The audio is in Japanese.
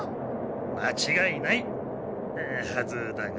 まちがいない！はずだが。